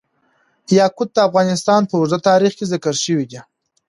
یاقوت د افغانستان په اوږده تاریخ کې ذکر شوی دی.